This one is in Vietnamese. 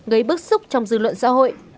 gây bức xúc trong dư luận xã hội